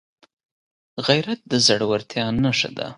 غیرت د زړورتیا نښه ده